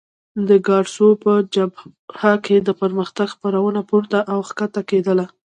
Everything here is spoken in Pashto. د کارسو په جبهه کې د پرمختګ خبرونه پورته او کښته کېدل.